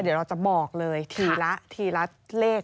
เดี๋ยวเราจะบอกเลยทีละทีละเลข